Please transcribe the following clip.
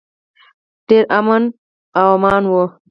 ډیر امن و امان و.